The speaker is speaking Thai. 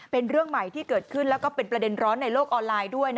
เป็นเรื่องใหม่ที่เกิดขึ้นแล้วก็เป็นประเด็นร้อนในโลกออนไลน์ด้วย